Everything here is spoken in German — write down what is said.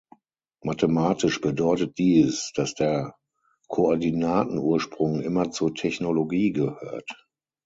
Mathematisch bedeutet dies, dass der Koordinatenursprung immer zur Technologie gehört.